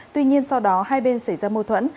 tuy nhiên sau đó hai bên xảy ra mâu thuẫn